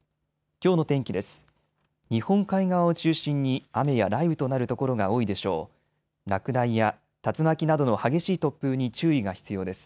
きょうの天気です。